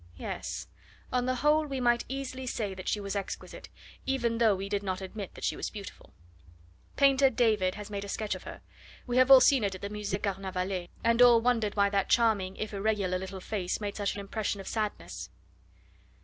Yes! on the whole we might easily say that she was exquisite, even though we did not admit that she was beautiful. Painter David has made a sketch of her; we have all seen it at the Musee Carnavalet, and all wondered why that charming, if irregular, little face made such an impression of sadness.